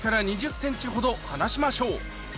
２０ｃｍほど離しましょう